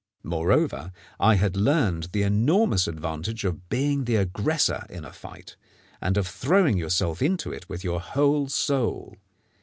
Moreover, I had learned the enormous advantage of being the aggressor in a fight, and of throwing yourself into it with your whole soul.